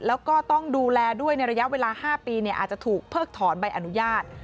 แล้วก็ต้องดูแลด้วยในระยะเวลา๕ปีอาจจะถูกเพิกถอนใบอนุญาต